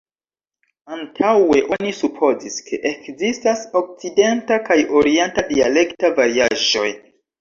Antaŭe oni supozis, ke ekzistas okcidenta kaj orienta dialekta variaĵoj.